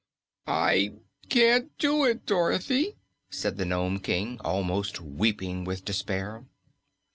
"I can't do it, Dorothy," said the Nome King, almost weeping with despair.